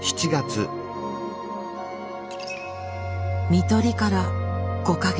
看取りから５か月。